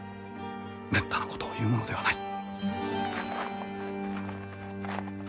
めったなことを言うものではない。